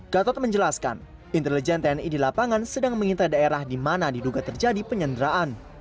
gatot menjelaskan intelijen tni di lapangan sedang mengintai daerah di mana diduga terjadi penyanderaan